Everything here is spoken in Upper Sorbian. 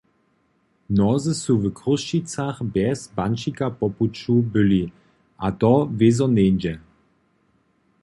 Mnozy su w Chrósćicach bjez banćika po puću byli, a to wězo njeńdźe.